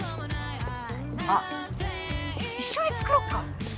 あっ一緒に作ろっか。